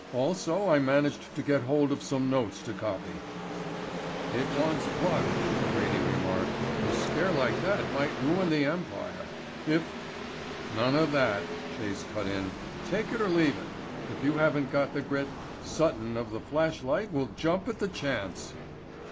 Also I managed to get hold of some notes to copy." "It wants pluck," Grady remarked, "A scare like that might ruin the Empire; if " "None of that," Chase cut in. "Take it or leave it. If you haven't got the grit, Sutton of the Flashlight will jump at the chance."